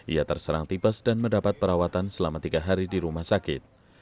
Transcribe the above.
ia terserang tipes dan mendapat perawatan selama tiga hari di rumah sakit